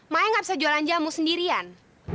maya nggak bisa jualan jamu sendirian